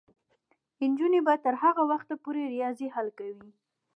نجونې به تر هغه وخته پورې ریاضي حل کوي.